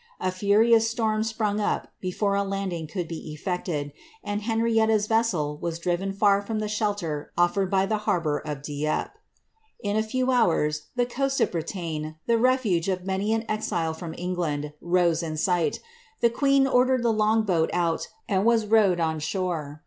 A furious storm sprung up before a landinf could be effected, and Henrietta's vessel was driven far from the shelter offered by the harbour of Dieppe.^ Ill a few hours the coast of Bretagne — the refuge of many an exils from England — rose in sight The queen ordered the long boat out, and was rowed on shore.